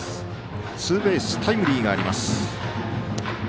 ツーベースタイムリーがあります。